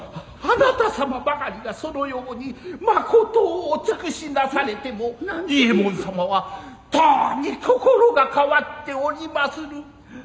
あなた様ばかりがそのように真実をお尽くしなされても伊右衛門さまはとうに心が変わっておりまする。